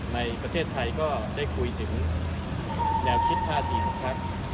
ในประเทศไทยก็ได้คุยถึงแนวคิดท่าทีของพัก